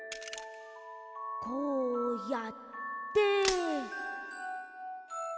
こうやって。